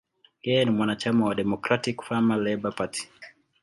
Yeye ni mwanachama wa Democratic–Farmer–Labor Party.